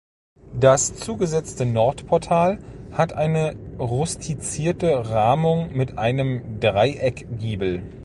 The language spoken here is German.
Das zugesetzte Nordportal hat eine rustizierte Rahmung mit einem Dreieckgiebel.